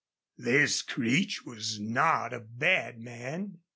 This Creech was not a bad man.